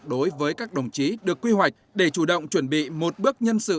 đối với các đồng chí được quy hoạch để chủ động chuẩn bị một bước nhân sự